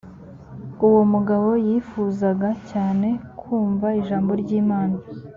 uwo mugabo yifuzaga cyane kumva ijambo ry imana